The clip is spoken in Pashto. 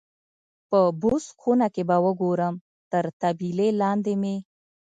په بوس خونه کې به وګورم، تر طبیلې لاندې مې.